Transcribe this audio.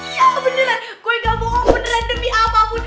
iya beneran gue gak bohong beneran demi apapun